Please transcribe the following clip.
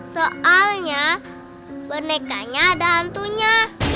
soalnya bonekanya ada hantunya